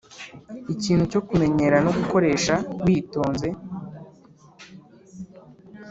ikintu cyo kumenyera no gukoresha witonze.